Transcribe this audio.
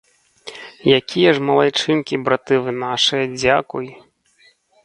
Якія ж малайчынкі, браты вы нашыя, дзякуй!